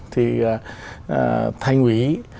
thì thành quỷ